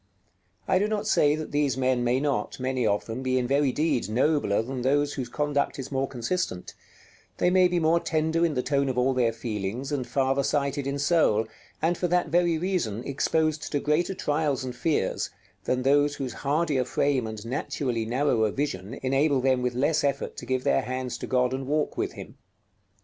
I do not say that these men may not, many of them, be in very deed nobler than those whose conduct is more consistent; they may be more tender in the tone of all their feelings, and farther sighted in soul, and for that very reason exposed to greater trials and fears, than those whose hardier frame and naturally narrower vision enable them with less effort to give their hands to God and walk with Him.